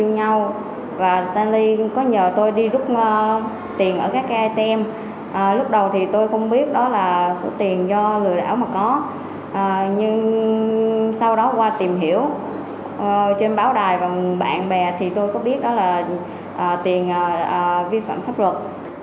nhưng sau đó qua tìm hiểu trên báo đài và bạn bè thì tôi có biết đó là tiền vi phạm khắc luật